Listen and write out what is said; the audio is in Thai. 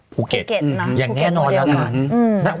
ภูเก็ตอย่างแง่นอนแล้วนะครับภูเก็ตภูเก็ตก็เดียวกัน